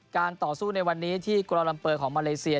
ต่อสู้ในวันนี้ที่กรอลัมเปอร์ของมาเลเซีย